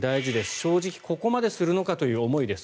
正直ここまでするのかという思いです。